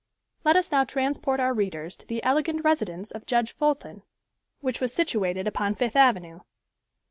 Let us now transport our readers to the elegant residence of Judge Fulton, which was situated upon Fifth Avenue.